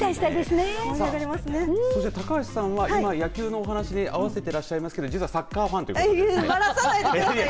高橋さんは今、野球のお話で合わせていらっしゃいますけれど実はサッカーファンばらさないでください。